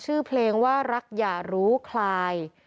ชื่อเพลงว่ารักอย่ารู้คลาย